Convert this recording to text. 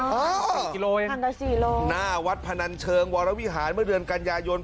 กันก็สี่โลเห็นหันตัวสี่โลหน้าวัดพนันเชิงวรวิหารเมื่อเดือนกัญญายน